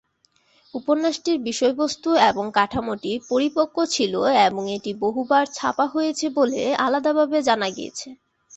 উপন্যাসটির বিষয়বস্তু এবং কাঠামোটি পরিপক্ব ছিল এবং এটি বহুবার ছাপা হয়েছে বলে আলাদাভাবে জানা গিয়েছে।